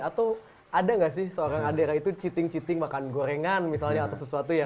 atau ada nggak sih seorang adera itu cheating cheating makan gorengan misalnya atau sesuatu yang